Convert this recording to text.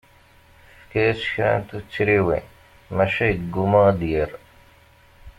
Tefka-yas kra n tuttriwin, maca yegguma ad d-yerr.